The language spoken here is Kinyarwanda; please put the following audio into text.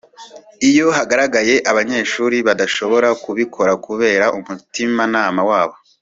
Iyo hagaragaye abanyeshuri badashobora kubikora kubera umutimanama wabo